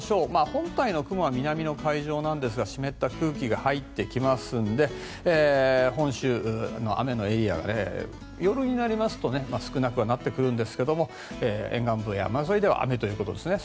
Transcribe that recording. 本体の雲は南の海上なんですが湿った空気が入ってきますので本州の雨のエリアが夜になりますと少なくはなってくるんですが沿岸部、山沿いでは雨ということですね。